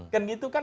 kan gitu kan